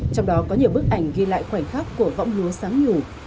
trong đó có nhiều bức ảnh ghi lại khoảnh khắc của võng lúa sáng nhù